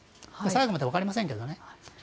最後までわかりませんけどね。